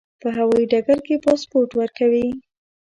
په هوایي ډګر کې پاسپورت ورکوي.